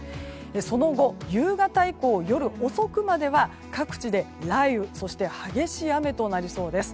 その後、夕方以降夜遅くまでは各地で雷雨そして激しい雨となりそうです。